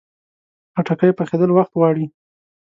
خټکی پخېدل وخت غواړي.